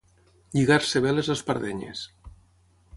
Lligar-se bé les espardenyes.